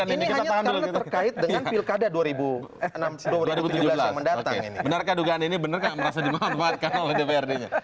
ini hanya terkait dengan pilkada dua ribu tujuh belas yang mendatang ini benarkah dugaan ini bener kan merasa dimanfaatkan oleh dprdnya